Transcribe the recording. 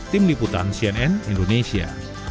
tim liputan cnn indonesia